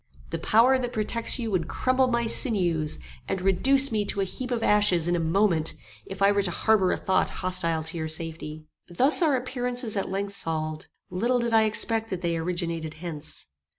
The power that protects you would crumble my sinews, and reduce me to a heap of ashes in a moment, if I were to harbour a thought hostile to your safety. Thus are appearances at length solved. Little did I expect that they originated hence.